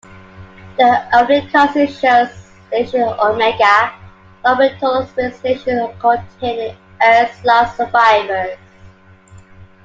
The opening cutscene shows Station Omega, an orbital space station containing Earth's last survivors.